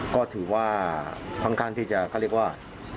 ก็ถือว่าทางการที่จะเขาเรียกว่า